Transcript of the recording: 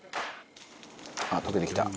あっ溶けてきた。